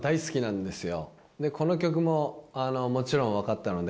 でこの曲ももちろん分かったので。